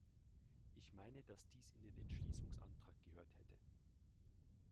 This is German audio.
Ich meine, dass dies in den Entschließungsantrag gehört hätte.